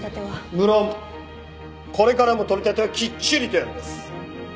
無論これからも取り立てはきっちりとやります。